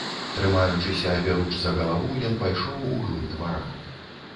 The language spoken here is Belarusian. Трымаючыся аберуч за галаву, ён пайшоў у глыб двара.